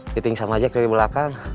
diting sama jack dari belakang